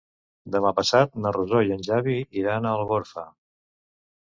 Demà passat na Rosó i en Xavi iran a Algorfa.